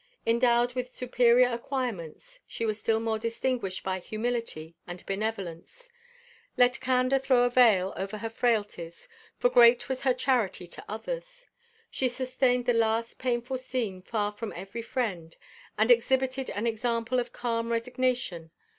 ENDOWED WITH SUPERIOR ACQUIREMENTS, SHE WAS STILL MORE DISTINGUISHED BY HUMILITY AND BENEVOLENCE. LET CANDOR THROW A VEIL OVER HER FRAILTIES, FOR GREAT WAS HER CHARITY TO OTHERS. SHE SUSTAINED THE LAST PAINFUL SCENE FAR FROM EVERY FRIEND, AND EXHIBITED AN EXAMPLE OF CALM RESIGNATION.